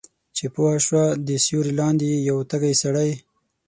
چې پوهه شوه د سیوری لاندې یې یو تږی سړی